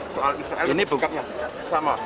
soal israel sikapnya sama